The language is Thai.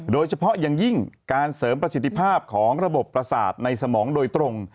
โดยเฉพาะอย่างยิ่งการเสริมประสิทธิภาพของระบบประสาทในสมองโดยตรง